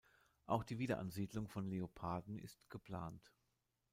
Auch die Wiederansiedlung von Leoparden ist geplant.